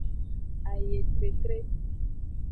Ayetretre.